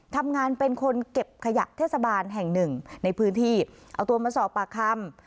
ทำงานเป็นคนเก็บขยะเทศบาลแห่งหนึ่งในพื้นที่เอาตัวมาสอบปากคำ